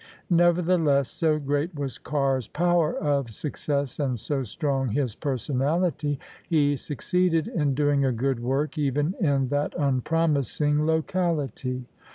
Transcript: Nevertheless — so great was Carr's power of success and so strong his personality — he succeeded in doing a good work even in that unpromising locality.